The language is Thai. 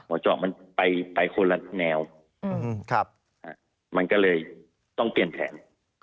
เจาะมันไปคนละแนวมันก็เลยต้องเปลี่ยนแผน